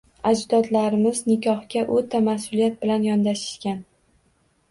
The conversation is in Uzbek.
Ajdodlarimiz nikohga o‘ta mas'uliyat bilan yondashishgan